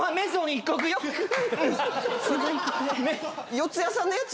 四谷さんのやつ？